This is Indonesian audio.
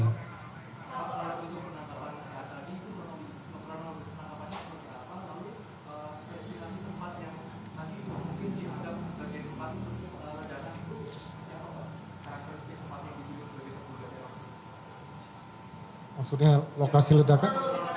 maksudnya lokasi ledakan